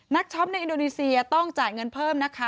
ช็อปในอินโดนีเซียต้องจ่ายเงินเพิ่มนะคะ